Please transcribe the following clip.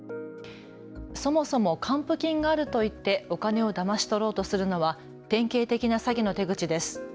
そもそも還付金があると言ってお金をだまし取ろうとするのは典型的な詐欺の手口です。